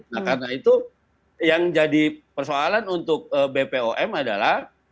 nah karena itu yang jadi persoalan untuk bpom adalah